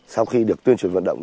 sau khi được tuyên truyền vận động